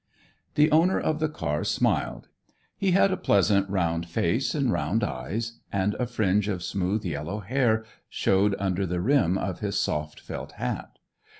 The owner of the car smiled. He had a pleasant, round face and round eyes, and a fringe of smooth, yellow hair showed under the rim of his soft felt hat.